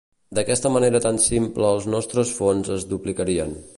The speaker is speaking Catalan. D'aquesta manera tan simple els nostres fons es duplicarien.